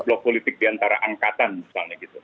blok politik diantara angkatan misalnya gitu